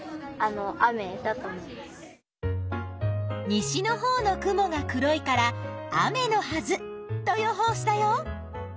西のほうの雲が黒いから雨のはずと予報したよ。